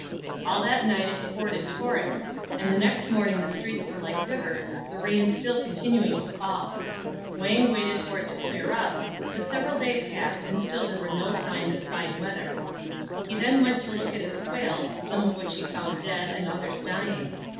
All that night it poured in torrents, and the next morning the streets were like rivers, the rain still continuing to fall. Wang waited for it to clear up, but several days passed and still there were no signs of fine weather. He then went to look at his quails, some of which he found dead and others dying.